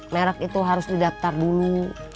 merek itu harus didaftar dulu